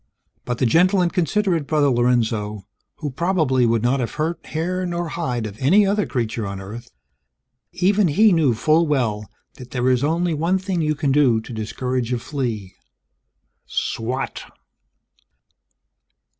But the gentle and considerate Brother Lorenzo, who probably would not have hurt hair nor hide of any other creature on Earth even he knew full well that there is only one thing you can do to discourage a flea. Swat!